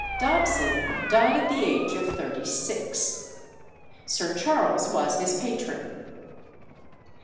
Dobson died at the age of thirty six. Sir Charles was his patron.